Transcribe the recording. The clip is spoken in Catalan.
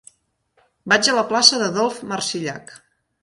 Vaig a la plaça d'Adolf Marsillach.